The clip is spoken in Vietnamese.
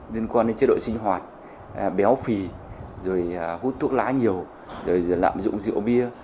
liên quan đến chế độ sinh hoạt béo phì rồi hút thuốc lá nhiều rồi lạm dụng rượu bia